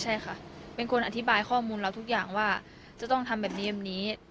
ใช่ค่ะเป็นคนอธิบายข้อมูลเราทุกอย่างว่าจะต้องทำแบบนี้แบบนี้